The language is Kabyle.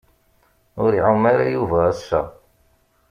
Ur iɛum ara Yuba ass-a.